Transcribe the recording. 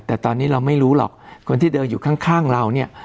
แต่ตอนนี้เราไม่รู้หรอกคนที่เดินอยู่ข้างเราเนี่ย